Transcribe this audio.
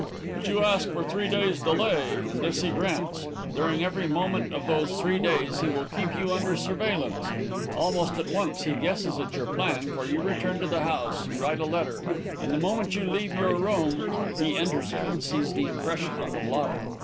"But you ask for three days' delay, and this he grants. During every moment of those three days, he will keep you under surveillance. Almost at once, he guesses at your plan, for you return to the house, you write a letter, and, the moment you leave your room, he enters it and sees the impression on the blotter.